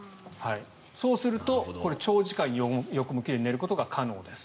そうすると、長時間横向きで寝ることが可能です。